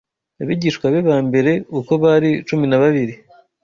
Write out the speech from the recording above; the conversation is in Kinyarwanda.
abigishwa be ba mbere uko bari cumi na babiri